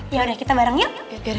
yaudah kita bareng yuk